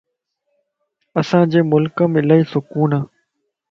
اسان جي ملڪ ڪم الائي سڪون ا